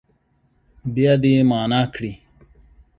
بیا دې يې معنا کړي.